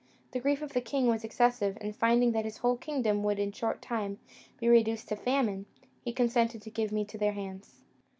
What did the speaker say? The grief of the king was excessive; and, finding that his whole kingdom would in a short time be reduced to famine, he consented to give me into their hands.